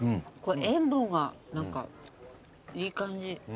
塩分が何かいい感じ。